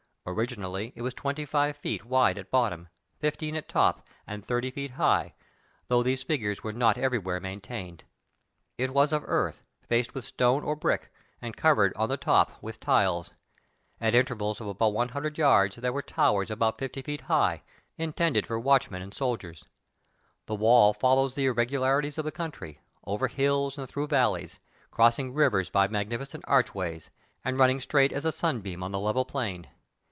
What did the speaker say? Originally it was twenty five feet wide at bottom, fifteen at top and thirty feet high, though these figures were not everywhere maintained. It was of earth, faced with stone or brick, and covered on the top with tiles; at intervals of about one hundred yards THE GREAT WALL OF CHINA. 193 there were towers about fifty feet high, intended for watchmen and soldiers ; the wall follows the irregularities of the country, over hills and through valleys, crossing rivers by magnificent archways, and running straight as a sunbeam on the level plain.